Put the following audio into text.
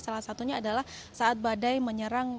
salah satunya adalah saat badai menyerang